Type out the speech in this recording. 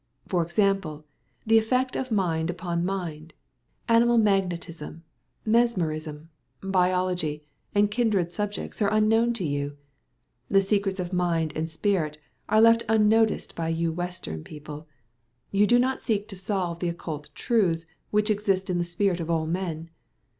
For example, the effect of mind upon mind, animal magnetism, mesmerism, biology, and kindred subjects are unknown to you. The secrets of mind and spirit are left unnoticed by you Western people. You seek not to solve the occult truths which exist in the spirit of all men.